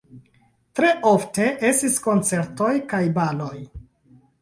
Tre ofte estis koncertoj kaj baloj.